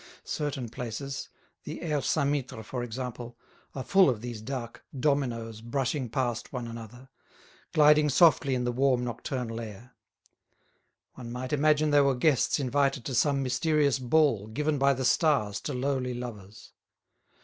Certain places, the Aire Saint Mittre, for instance, are full of these dark "dominoes" brushing past one another, gliding softly in the warm nocturnal air. One might imagine they were guests invited to some mysterious ball given by the stars to lowly lovers.